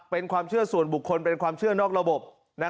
เป็นความเชื่อส่วนบุคคลเป็นความเชื่อนอกระบบ